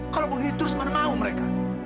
kalau begini terus mana mau mereka